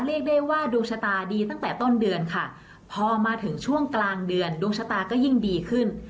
เรียกได้ว่าดวงชะตาดีตั้งแต่ต้นเดือนค่ะพอมาถึงช่วงกลางเดือนดวงชะตาก็ยิ่งดีขึ้น